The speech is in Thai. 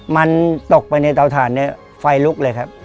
มันตกไปในเตาถ่านเนี่ยไฟลุกเลยครับ